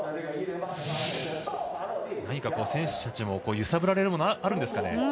何か選手たちも揺さぶられるものがあるんですかね。